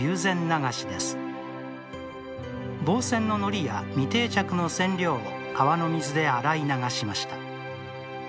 防染の糊や未定着の染料を川の水で洗い流しました。